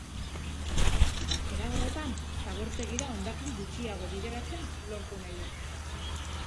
Era horretan, zabortegira hondakin gutxiago bideratzea lortu nahi du.